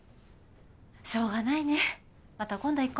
しょうがないねまた今度行こ。